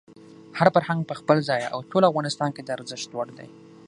هر فرهنګ په خپل ځای او ټول افغانستان کې د ارزښت وړ دی.